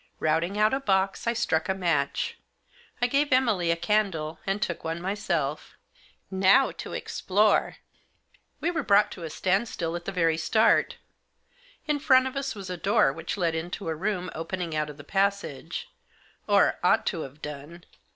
Routing out a box, I struck a match. I gave Emily a candle and took one myself. " Now to explore !" We were brought to a standstill at the very start. In front of us was a door which led into a room opening out of the passage, or ought to have done.